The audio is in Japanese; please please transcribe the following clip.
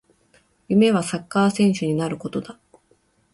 夢はサッカー選手になることだ